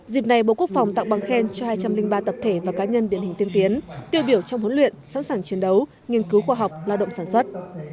dịp này bộ quốc phòng tặng bằng khen cho hai trăm linh ba tập thể và cá nhân điển hình tiên tiến tiêu biểu trong huấn luyện sẵn sàng chiến đấu nghiên cứu khoa học lao động sản xuất